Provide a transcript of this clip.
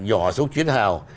nhỏ xuống chiến hào